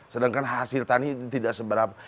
sedangkan hasil tani tidak seberapa